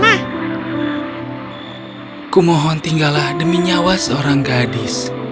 aku mohon tinggallah demi nyawa seorang gadis